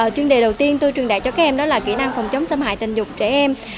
chuyên đề đầu tiên tôi truyền đạt cho các em đó là kỹ năng phòng chống xâm hại tình dục trẻ em